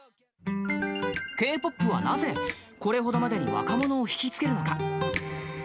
Ｋ−ＰＯＰはなぜ、これほどまでに若者を引き付けるのか。